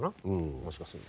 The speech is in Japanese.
もしかすると。